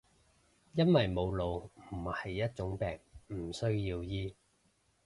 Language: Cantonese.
因為冇腦唔係一種病，唔需要醫